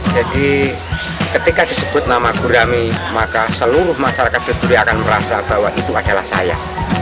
jadi ketika disebut nama gurami maka seluruh masyarakat seduri akan merasa bahwa itu adalah saya